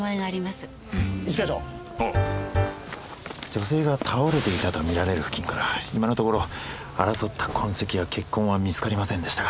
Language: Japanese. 女性が倒れていたと見られる付近から今のところ争った痕跡や血痕は見つかりませんでした。